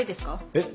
えっ？